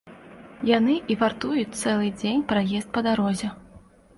Яны і вартуюць цэлы дзень праезд па дарозе.